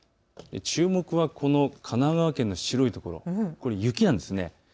注目はこの神奈川県の白いところ、雪なんです。